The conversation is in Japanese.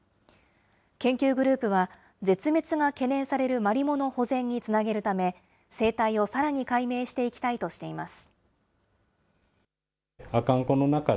研究グループは、絶滅が懸念されるマリモの保全につなげるため、生態をさらに解明していきたいとしています。